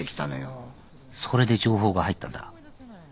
それで情報が入ったんだ。